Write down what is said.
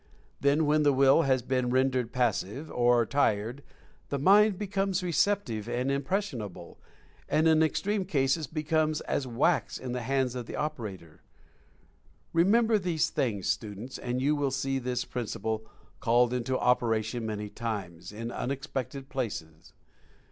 Then when the Will has been ren dered Passive, or tired, the mind becomes receptive and impressionable, and, in extreme cases, becomes as wax in the hands of the operator. Remember these things, students, and you will see this principle called into operation many times, in unexpected places.